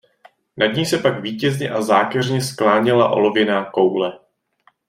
Nad ní se pak vítězně a zákeřně skláněla olověná koule.